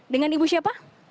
dengan ibu siapa